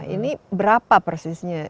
ini berapa persisnya